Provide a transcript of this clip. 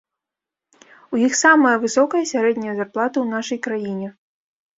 У іх самая высокая сярэдняя зарплата ў нашай краіне.